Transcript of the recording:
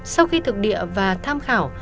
sau khi thực địa và tham khảo